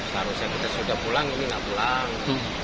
seharusnya kita sudah pulang ini tidak pulang